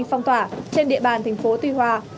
phong tỏa trên địa bàn tp tuy hòa